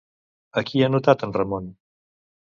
A qui ha notat en Ramon?